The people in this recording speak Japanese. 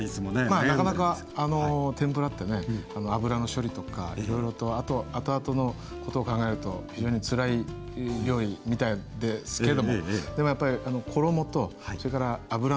まあなかなか天ぷらってね油の処理とかいろいろとあと後々のことを考えると非常につらい料理みたいですけれどもでもやっぱり衣とそれから油の温度